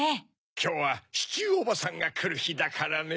きょうはシチューおばさんがくるひだからね。